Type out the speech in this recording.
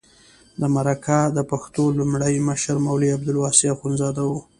د مرکه د پښتو لومړی مشر مولوي عبدالواسع اخندزاده و.